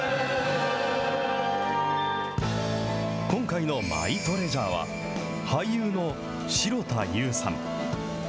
今回のマイトレジャーは、俳優の城田優さん。